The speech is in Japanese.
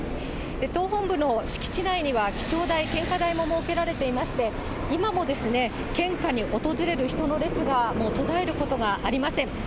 党本部の敷地内には、記帳台、献花台も設けられていまして、今も献花に訪れる人の列がもう途絶えることがありません。